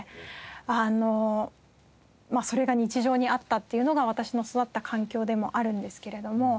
あのそれが日常にあったっていうのが私の育った環境でもあるんですけれども。